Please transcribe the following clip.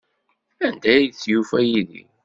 Anda ay d-yufa Yidir?